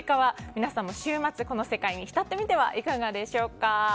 皆さんも週末この世界に浸ってみてはいかがでしょうか。